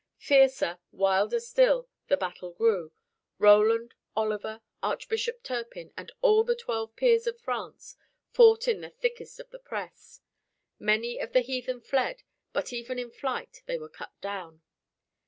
Fiercer, wilder still, the battle grew. Roland, Oliver, Archbishop Turpin and all the twelve peers of France fought in the thickest of the press. Many of the heathen fled, but even in flight they were cut down.